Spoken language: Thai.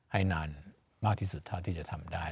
ให้นานมากที่สุดเท่าที่จะทำได้